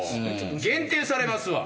限定されますわ！